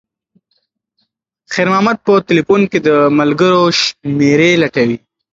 خیر محمد په تلیفون کې د ملګرو شمېرې لټولې.